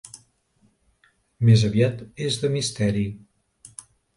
Més aviat és de misteri.